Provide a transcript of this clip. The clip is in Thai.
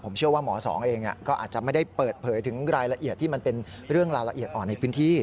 ผมเชื่อว่าหมอสองเองก็อาจจะไม่ได้เปิดเผยถึงรายละเอียดที่มันเป็นเรื่องราวละเอียดอ่อนในพื้นที่